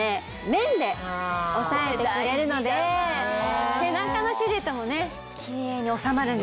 面でおさえてくれるので背中のシルエットもキレイに収まるんです。